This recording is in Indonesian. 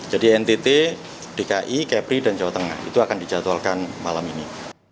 jadi ntt dki capri dan jawa tengah itu akan dijadwalkan malam ini